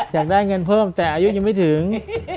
อยากได้เงินเพิ่มแต่อายุยังไม่ถึง